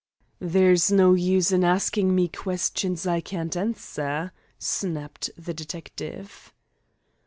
"There is no use in asking me questions I can't answer," snapped the detective.